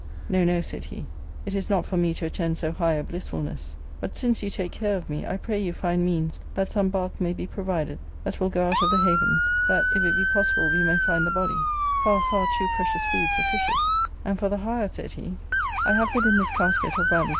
" No, no," said he, " it is not for me to attend so high a blissfulness ; but, since you take care of me, I pray you find means that some bark may be provided, that will go out of the haven, that if it be possible we may find thejx)dj^ — far, far too precious food for fishes ; aftd for the hfre," said he, " I have within this • Stickled.